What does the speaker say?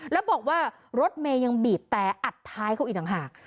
แล้วบอกว่ารถเมย์ยังบีบแต่อัดท้ายเขาอีกต่างหาก